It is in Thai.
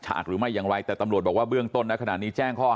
ฉากหรือไม่ยังไงแต่ตำรวจบอกว่าเบื้องต้นแล้วขนาดนี้แจ้ง